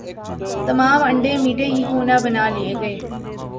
تمام انڈے میٹھے ہی کیوں نہ بنا لئے گئے